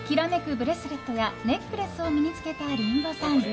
ブレスレットやネックレスを身に着けたリンゴさん。